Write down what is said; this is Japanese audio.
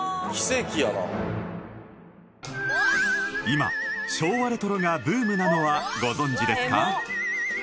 今昭和レトロがブームなのはご存じですか？